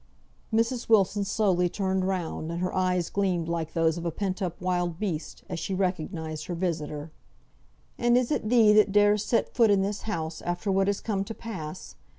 Mrs. Wilson slowly turned round, and her eyes gleamed like those of a pent up wild beast, as she recognised her visitor. "And is it thee that dares set foot in this house, after what has come to pass?